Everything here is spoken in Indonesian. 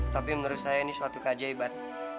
tapi menurut saya ini suatu kajian ibad